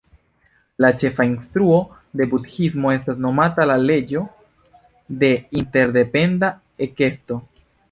La ĉefa instruo de budhismo estas nomata "la leĝo de interdependa ekesto".